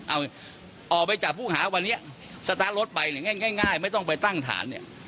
เอาออกไปจับผู้หาวันนี้สตาร์ทรถไปเนี่ยง่ายไม่ต้องไปตั้งฐานเนี่ย